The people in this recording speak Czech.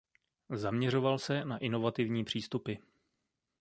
Zaměřoval se na inovativní přístupy.